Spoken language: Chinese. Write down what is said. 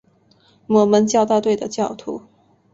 摩门教大队的信徒。